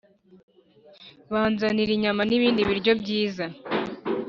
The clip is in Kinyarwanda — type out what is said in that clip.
banzanira inyama n'ibindi biryo byiza.